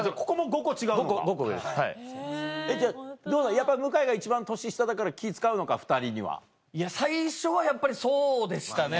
やっぱり向井が一番年下だから気使うのか２人には。最初はやっぱりそうでしたね。